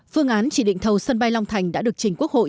phương án chỉ định thầu sân bay long thành đã được trình quốc hội